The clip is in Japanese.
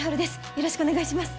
よろしくお願いします。